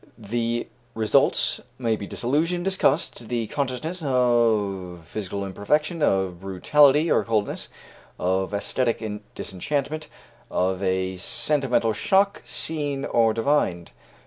The results may be disillusion, disgust, the consciousness of physical imperfection, of brutality or coldness, of æsthetic disenchantment, of a sentimental shock, seen or divined.